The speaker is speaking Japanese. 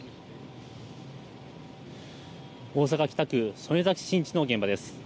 大阪・北区曽根崎新地の現場です。